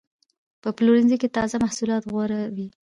په پلورنځي کې تازه محصولات غوره وي.